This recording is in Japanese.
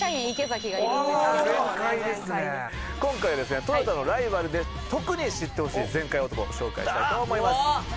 今回はですねトヨタのライバルで特に知ってほしい全開男を紹介したいと思います。